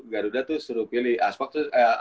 garuda tuh suruh pilih aspak tuh